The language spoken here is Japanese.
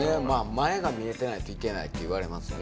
前が見えてないといけないっていわれますよね。